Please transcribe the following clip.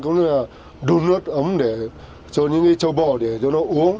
cũng là đun nước ấm cho những châu bò để cho nó uống